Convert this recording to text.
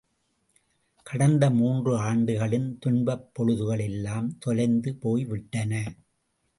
கடந்த மூன்று ஆண்டுகளின் துன்பப் பொழுதுகள் எல்லாம் தொலைந்து போய் விட்டன.